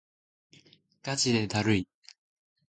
ガチでだるい